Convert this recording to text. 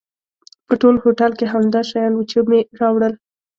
په ټول هوټل کې همدا شیان و چې مې راوړل.